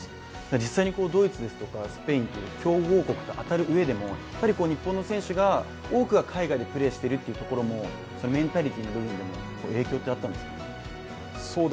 実際にドイツですとかスペインという強豪国と当たるうえでも、日本の選手の多くが海外でプレーしているというところもメンタリティーの部分でも影響ってあったんですか？